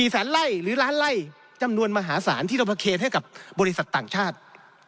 แสนไล่หรือล้านไล่จำนวนมหาศาลที่เรามาเคนให้กับบริษัทต่างชาติ